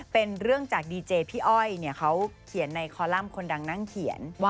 เป็นเรื่องจากดีเจพี่อ้อยเขาเขียนในคอลัมป์คนดังนั่งเขียนว่า